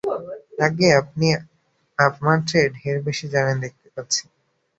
আজ্ঞে, আপনি আমার চেয়ে ঢের বেশি জানেন দেখতে পাচ্ছি।